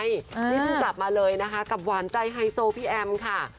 นี่เพิ่งกลับมาเลยนะคะกับหวานใจไฮโซพี่แอมค่ะ